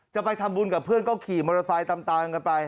จะไปทำบุญกับเพื่อนก็ขี่มอเตอร์ไซค์ตามกันไป